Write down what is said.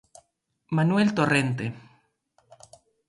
Manuel Torrente.